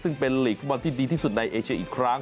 ซึ่งเป็นลีกฟุตบอลที่ดีที่สุดในเอเชียอีกครั้ง